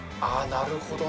なるほどね。